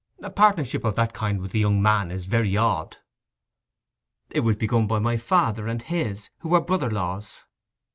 'A partnership of that kind with a young man is very odd.' 'It was begun by my father and his, who were brother laws.